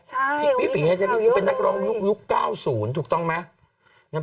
พี่ปีฉันนี่คือเป็นนักร้องยุค๙๐ถูกต้องไหม